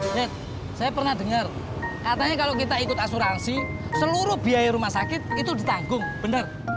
lihat saya pernah dengar katanya kalau kita ikut asuransi seluruh biaya rumah sakit itu ditanggung benar